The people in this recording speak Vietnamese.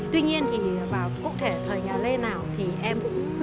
tuy nhiên thì vào cụ thể thời nhà lê nào thì em cũng